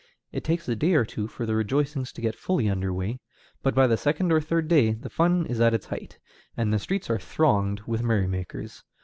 It takes a day or two for the rejoicings to get fully under way, but by the second or third day the fun is at its height, and the streets are thronged with merrymakers.